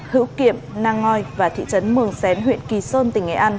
hữu kiệm nang ngoi và thị trấn mường xén huyện kỳ sơn tỉnh nghệ an